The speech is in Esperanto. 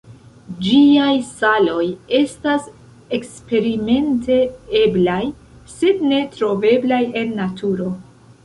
Ĝiaj saloj estas eksperimente eblaj, sed ne troveblaj en naturo.